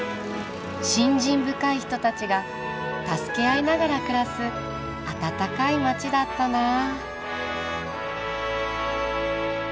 信心深い人たちが助け合いながら暮らす温かい街だったなあ。